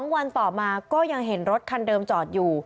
วันต่อมาก็ยังเห็นรถคันเดิมจอดอยู่